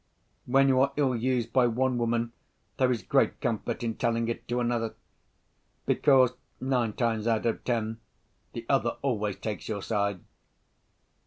When you are ill used by one woman, there is great comfort in telling it to another—because, nine times out of ten, the other always takes your side.